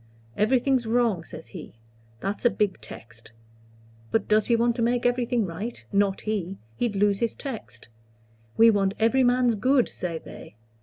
'Everything's wrong,' says he. That's a big text. But does he want to make everything right? Not he. He'd lose his text. 'We want every man's good,' say they.